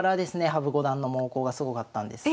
羽生五段の猛攻がすごかったんです。